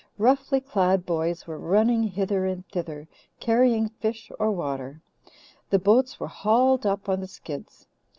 Roughly clad boys were running hither and thither, carrying fish or water. The boats were hauled up on the skids.